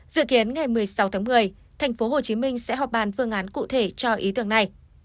dự kiến ngày một mươi sáu tháng một mươi tp hcm sẽ họp bàn phương án cụ thể cho ý tưởng này